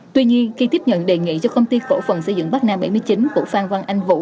tuy nhiên khi tiếp nhận đề nghị cho công ty cổ phần xây dựng bắc nam bảy mươi chín của phan văn anh vũ